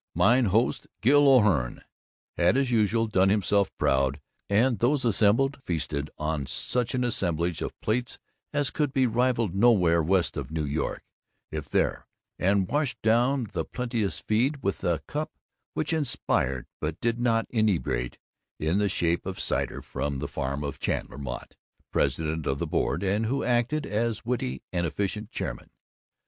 Mine host Gil O'Hearn had as usual done himself proud and those assembled feasted on such an assemblage of plates as could be rivaled nowhere west of New York, if there, and washed down the plenteous feed with the cup which inspired but did not inebriate in the shape of cider from the farm of Chandler Mott, president of the board and who acted as witty and efficient chairman.